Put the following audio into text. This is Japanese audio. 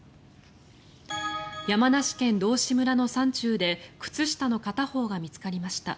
山梨県道志村の山中で靴下の片方が見つかりました。